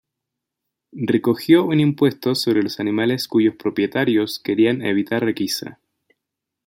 Recogió un impuesto sobre los animales cuyos propietarios querían evitar requisa.